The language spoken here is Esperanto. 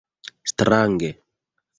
strange